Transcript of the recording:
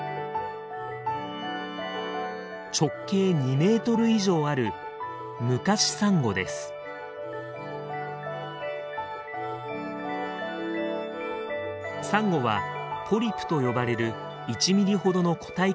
直径２メートル以上あるサンゴは「ポリプ」と呼ばれる１ミリほどの個体からできています。